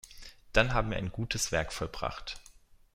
Dann haben wir ein gutes Werk vollbracht.